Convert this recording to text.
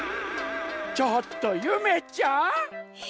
ちょっとゆめちゃん！？